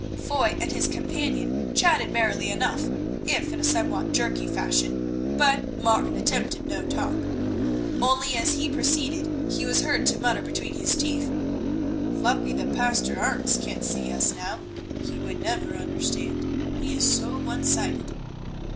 Foy and his companion chatted merrily enough, if in a somewhat jerky fashion, but Martin attempted no talk. Only as he proceeded he was heard to mutter between his teeth, "Lucky the Pastor Arentz can't see us now. He would never understand, he is so one sided."